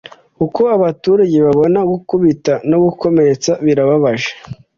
uko abaturage babona gukubita no gukomeretsa birababaje